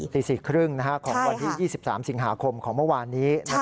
ตี๔๓๐ของวันที่๒๓สิงหาคมของเมื่อวานนี้